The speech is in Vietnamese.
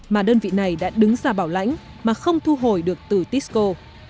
mà đơn vị này đã đứng ra bảo lãnh mà không thu hồi được từ tisco